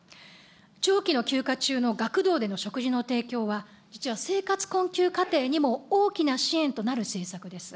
長期の休暇中の学童での食事の提供は、実は生活困窮家庭にも大きな支援となる政策です。